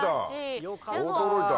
驚いた。